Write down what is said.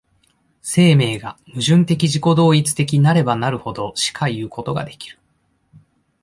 生命が矛盾的自己同一的なればなるほどしかいうことができる。